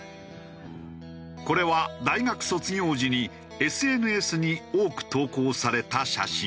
これは大学卒業時にＳＮＳに多く投稿された写真。